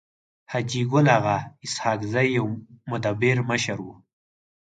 حاجي ګل اغا اسحق زی يو مدبر مشر وو.